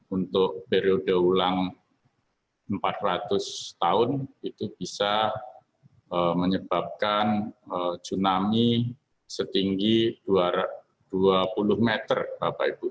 untuk periode ulang empat ratus tahun itu bisa menyebabkan tsunami setinggi dua puluh meter bapak ibu